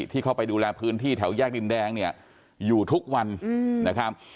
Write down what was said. เข้าไปดูแลพื้นที่แถวแยกดินแดงเนี่ยอยู่ทุกวันนะครับ